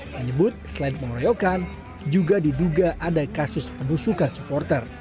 menyebut selain pengeroyokan juga diduga ada kasus penusukan supporter